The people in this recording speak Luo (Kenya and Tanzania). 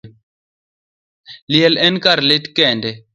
Liel en kar lit kende.